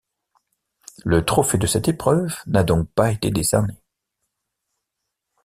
Le trophée de cette épreuve n'a donc pas été décerné.